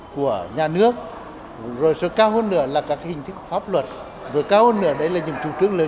của nhà nước rồi cao hơn nữa là các hình thức pháp luật rồi cao hơn nữa là những chủ trương lớn